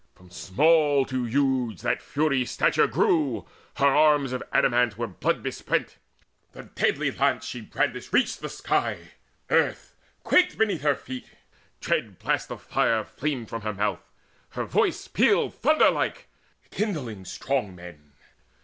From small to huge that Fury's stature grew; Her arms of adamant were blood besprent, The deadly lance she brandished reached the sky. Earth quaked beneath her feet: dread blasts of fire Flamed from her mouth: her voice pealed thunder like Kindling strong men.